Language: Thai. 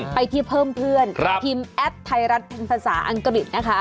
ไปที่เพิ่มเพื่อนทีมแอดไทยรัฐเป็นภาษาอังกฤษนะคะ